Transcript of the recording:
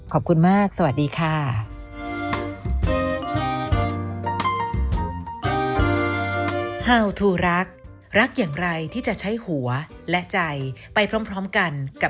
ขอบคุณมากสวัสดีค่ะ